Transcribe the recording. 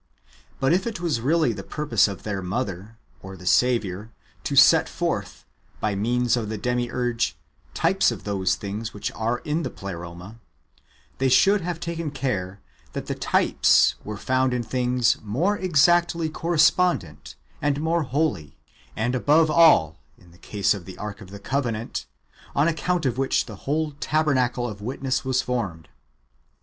But if it was really the purpose of their Mother, or the Saviour, to set forth, by means of the Demiurge, types of those things which are in the Pleroma, they should have taken care that the types were found in things more exactly correspondent and more holy ; and, above all, in the case of the Ark of the Covenant, on account of which the whole tabernacle of witness was formed.